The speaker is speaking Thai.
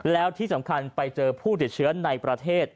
แล้วที่สำคัญไปเจอผู้ติดเชื้อในประเทศ